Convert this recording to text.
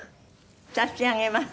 差し上げます。